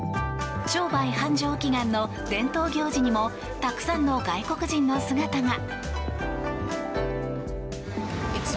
商売繁盛祈願の伝統行事にもたくさんの外国人の姿が。